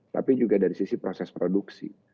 tapi juga dari sisi proses produksi